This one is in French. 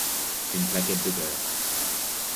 Une plaquette de beurre.